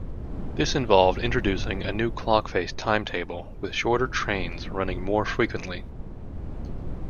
This involved introducing a new clockface timetable with shorter trains running more frequently.